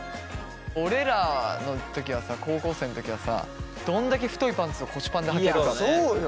俺らの時はさ高校生の時はさどんだけ太いパンツを腰パンではけるかね。